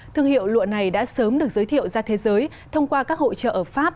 thương hiệu lụa này đã sớm được giới thiệu ra thế giới thông qua các hội trợ ở pháp